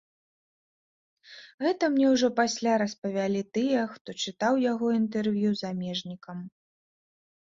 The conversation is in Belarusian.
Гэта мне ўжо пасля распавялі тыя, хто чытаў яго інтэрв'ю замежнікам.